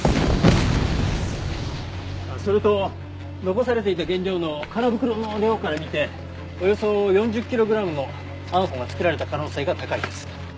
それと残されていた原料の空袋の量から見ておよそ４０キログラムのＡＮＦＯが作られた可能性が高いです。